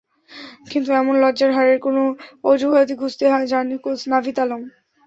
কিন্তু এমন লজ্জার হারের কোনো অজুহাতই খুঁজতে যাননি কোচ নাভিদ আলম।